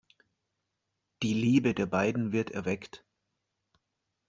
Die Liebe der beiden wird erweckt.